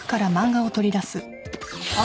あ！